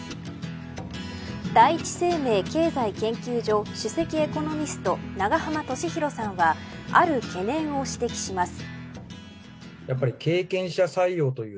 第一生命経済研究所首席エコノミスト永濱利廣さんはある懸念を指摘します。